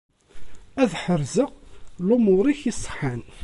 Ad ḥerzeɣ lumur-ik iṣeḥḥan.